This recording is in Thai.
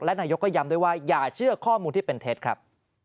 และนายกก็ย้ำด้วยว่าอย่าเชื่อข้อมูลที่เป็นเท็จครับ